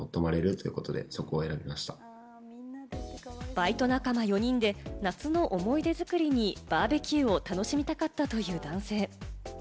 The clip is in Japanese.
バイト仲間４人で夏の思い出作りにバーベキューを楽しみたかったという男性。